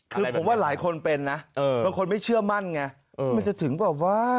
คือผมว่าหลายคนเป็นนะบางคนไม่เชื่อมั่นไงมันจะถึงแบบว่า